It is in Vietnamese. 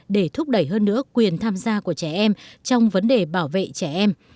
để thúc đẩy hơn nữa quyền tham gia của trẻ em trong vấn đề bảo vệ trẻ em